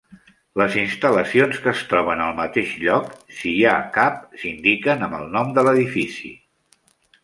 Les instal·lacions que es troben al mateix lloc, si hi ha cap, s'indiquen amb el nom de l'edifici.